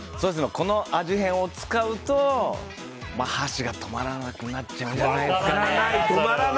この味変を使うと箸が止まらなくなっちゃうんじゃないかな。